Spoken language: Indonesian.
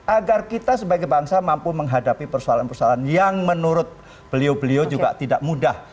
agar kita sebagai bangsa mampu menghadapi persoalan persoalan yang menurut beliau beliau juga tidak mudah